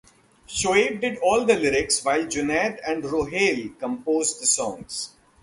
Shoaib did all the lyrics while Junaid and Rohail composed the songs.